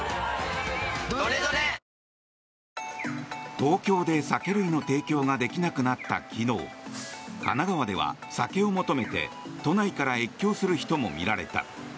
東京で酒類の提供ができなくなった昨日神奈川では酒を求めて都内から越境する人も見られた。